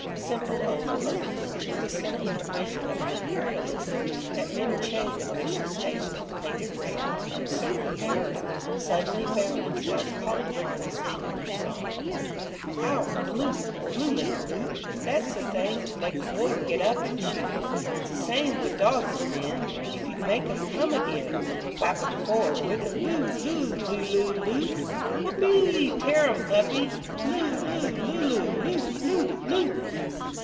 Simple old clergymen, with a sentimental vision of an Imperialism that meant a chain of mission stations (painted red) encircling the earth, suddenly found themselves called upon to sing a new psalm: Ow, the loot! Bloomin' loot! That's the thing to make the boys git up an' shoot! It's the same with dogs an' men, If you'd make 'em come again. Clap 'em forward with a Loo! Loo! Lulu! Loot! Whoopee! Tear 'im, puppy! Loo! Loo! Lulu! Loot! Loot! Loot!